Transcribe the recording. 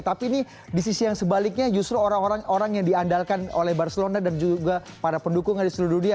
tapi ini di sisi yang sebaliknya justru orang orang yang diandalkan oleh barcelona dan juga para pendukung dari seluruh dunia